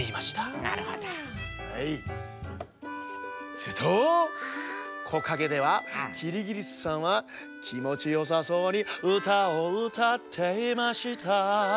するとこかげではキリギリスさんはきもちよさそうに「うたをうたっていました」